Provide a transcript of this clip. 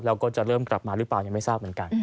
แล้วก็จะเริ่มกลับมาหรือเปล่ายังไม่ทราบเหมือนกัน